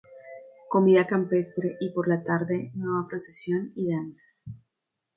Comida campestre y por la tarde nueva procesión y danzas.